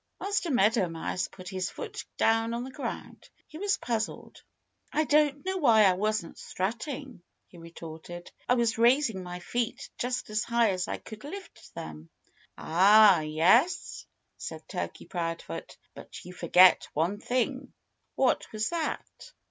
Master Meadow Mouse put his foot down on the ground. He was puzzled. "I don't know why I wasn't strutting," he retorted. "I was raising my feet just as high as I could lift them." "Ah, yes?" said Turkey Proudfoot. "But you forgot one thing." "What was that?"